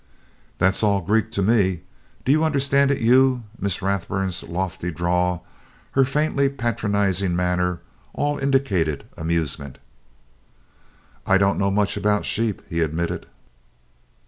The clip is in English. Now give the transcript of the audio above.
"That's all Greek to me. Do you understand it, Hugh?" Miss Rathburn's lofty drawl, her faintly patronizing manner, all indicated amusement. "I don't know much about sheep," he admitted.